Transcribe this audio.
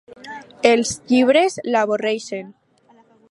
Els llibres l'avorreixen.